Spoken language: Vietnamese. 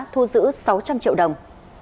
thu giữ sáu trăm linh triệu đồng